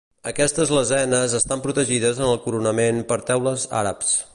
Aquestes lesenes estan protegides en el coronament per teules àrabs.